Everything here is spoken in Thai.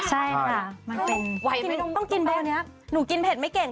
ใช่ค่ะมันเป็นต้องกินเบอร์นี้หนูกินเผ็ดไม่เก่ง